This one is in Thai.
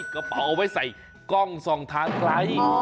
กระเป๋าเอาไว้ใส่กล้องส่องทางไกล